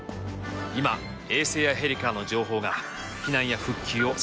今衛星やヘリからの情報が避難や復旧を支えています。